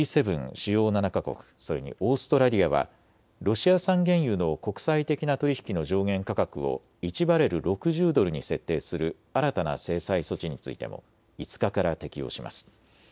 ・主要７か国、それにオーストラリアはロシア産原油の国際的な取り引きの上限価格を１バレル６０ドルに設定する新たな制裁措置についても５日から適用します。